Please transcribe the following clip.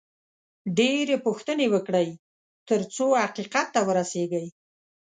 ډېرې پوښتنې وکړئ، ترڅو حقیقت ته ورسېږئ